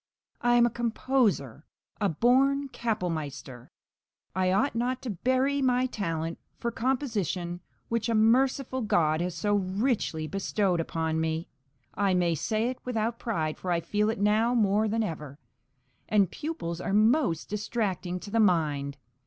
I am a composer, and a born kapellmeister; I ought not to bury my talent for composition which a merciful God has so richly bestowed upon me (I may say it without pride, for I feel it now more than ever); and pupils are most distracting to the mind.